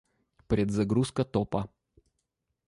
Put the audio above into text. Предзагрузка топа